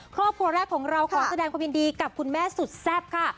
ครอบครัวแรกของเราขอแสดงความยินดีกับคุณแม่สุดแซ่บค่ะ